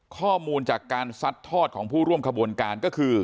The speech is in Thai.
ข้อมูลจากการซัดทอดของผู้ร่วมขบวนการก็คือ